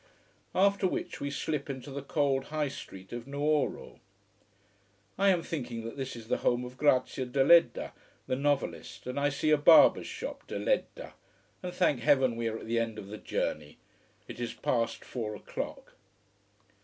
After which we slip into the cold high street of Nuoro. I am thinking that this is the home of Grazia Deledda, the novelist, and I see a barber's shop. De Ledda. And thank heaven we are at the end of the journey. It is past four o'clock.